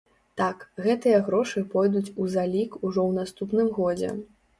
Так, гэтыя грошы пойдуць у залік ўжо ў наступным годзе.